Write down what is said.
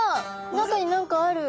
中に何かある。